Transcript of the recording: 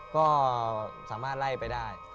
ก็สามารถไล่ไปได้